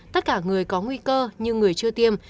tất cả người có nguy cơ như người chưa tiêm